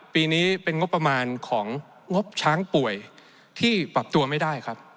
ปีนี้เป็นงบประมาณของงบช้างป่วยที่ปรับตัวไม่ได้ครับ